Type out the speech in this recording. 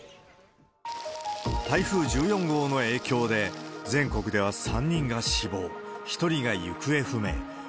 台風１４号の影響で、全国では３人が死亡、１人が行方不明。